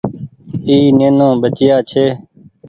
اي نينو ٻچييآ ڇي۔